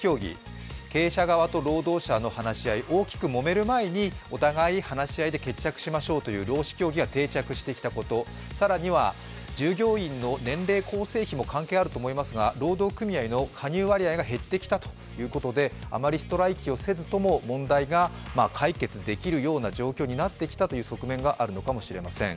大きくもめる前にお互い話し合いで決着しましょうという労使協議が定着してきたこと更には従業員の年齢構成費も関係あると思いますが労働組合の加入割合が減ってきたということであまりストライキをせずとも問題が解決できるような状況になってきた側面があるのかもしれません。